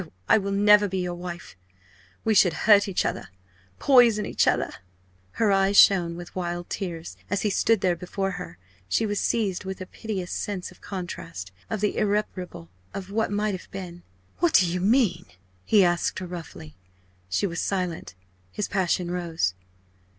_ I will never be your wife! We should hurt each other poison each other!" Her eyes shone with wild tears. As he stood there before her she was seized with a piteous sense of contrast of the irreparable of what might have been. "What do you mean?" he asked her, roughly. She was silent. His passion rose.